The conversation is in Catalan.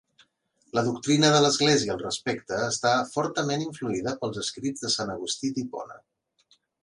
La doctrina de l'església al respecte està fortament influïda pels escrits de Sant Agustí d'Hipona.